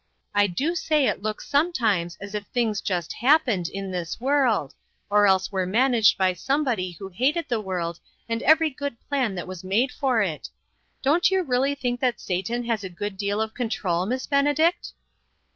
I do say it looks sometimes as if things just happened in this world, or else were managed by somebody who hated the world and every good plan that was made for it. Don't you really think that Satan has a good deal of control, Miss Benedict?"